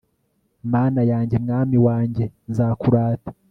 mana yanjye, mwami wanjye, nzakurata